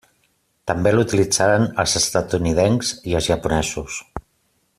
També l'utilitzaren els estatunidencs i els japonesos.